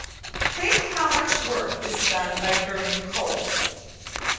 Think how much work is done by burning coals.